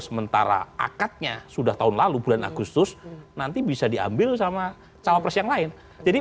sementara akadnya sudah tahun lalu bulan agustus nanti bisa diambil sama cawapres yang lain jadi